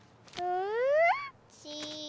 うん？